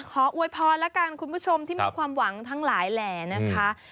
อวยพรแล้วกันคุณผู้ชมที่มีความหวังทั้งหลายแหล่นะคะ